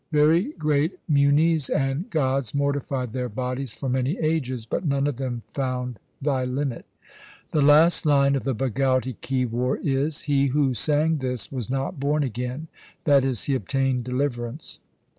Very great munis and gods mortified their bodies for many ages, But none of them found Thy limit. The last line of the Bhagauti ki War is :— He who sang this was not born again, that is, he obtained deliverance.